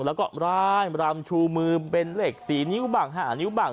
แล้วก็ร่ายรำชูมือเป็นเหล็ก๔นิ้วบ้าง๕นิ้วบ้าง